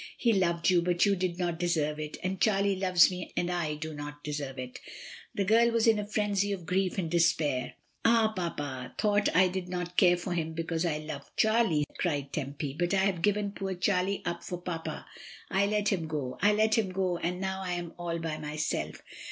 "He loved you, but you did not deserve it, and Charlie loves me and I do not deserve it" The girl was in a frenzy of grief and despair. "Ah, papa thought I did not care for him because I loved Charlie," cried Tempy; "but I have given poor Charlie up for papa. I let him go, I let him go, and now I am all by myself.